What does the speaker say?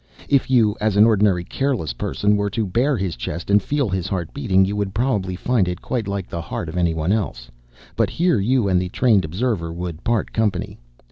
If you, as an ordinary careless person, were to bare his chest and feel his heart beating, you would probably find it quite like the heart of anyone else. But here you and the trained observer would part company.